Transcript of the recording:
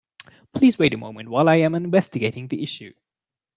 Please wait a moment while I am investigating the issue.